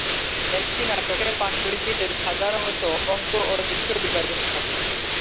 একটি নাটকের পাণ্ডুলিপিতে সাধারণত অঙ্ক ও দৃশ্য বিভাজন থাকে।